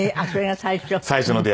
それが最初？